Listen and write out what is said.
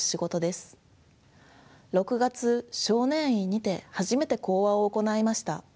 ６月少年院にて初めて講話を行いました。